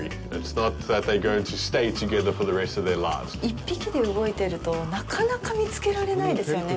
１匹で動いてるとなかなか見つけられないですよね。